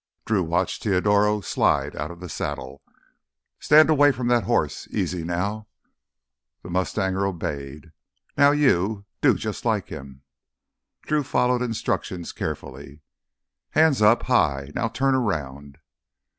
Drew watched Teodoro slide out of the saddle. "Stand away from that hoss ... easy now." The mustanger obeyed. "Now you ... do jus' like him." Drew followed instructions carefully. "Hands up—high! Now turn around."